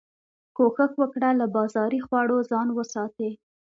کوښښ وکړه له بازاري خوړو ځان وساتي